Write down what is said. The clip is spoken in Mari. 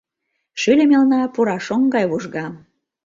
Шӱльӧ мелна Пурашоҥ гай вужга.